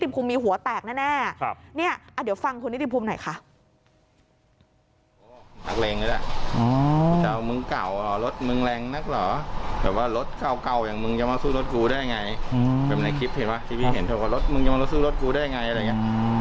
เก่าอย่างมึงจะมาสู้รถกูได้ไงเป็นในคลิปเห็นป่ะที่พี่เห็นเถอะว่ารถมึงจะมาสู้รถกูได้ไงอะไรอย่างเงี้ย